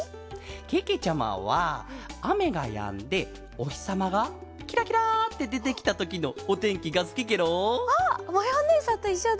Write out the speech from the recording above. けけちゃまはあめがやんでおひさまがキラキラってでてきたときのおてんきがすきケロ！あっまやおねえさんといっしょだ！